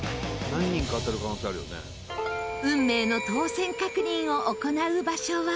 運命の当せん確認を行う場所は。